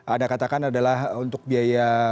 anda katakan adalah untuk biaya